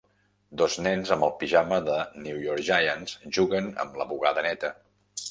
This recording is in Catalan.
Dos nens amb el pijama de NY Giants, juguen amb la bugada neta.